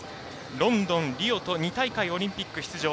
ロンドン、リオと２大会オリンピック出場。